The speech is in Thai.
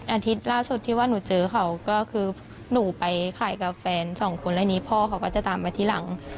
อาทิตย์ล่าสุดที่ว่าหนูเจอเขาก็คือหนูไปขายกับแฟนสองคนแล้วนี้พ่อเขาก็จะตามมาทีหลัง